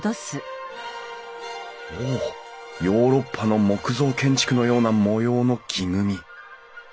おおヨーロッパの木造建築のような模様の木組み。